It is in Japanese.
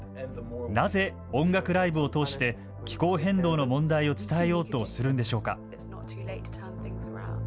なぜ音楽ライブを通して気候変動の問題を伝えようとするんでしょうか。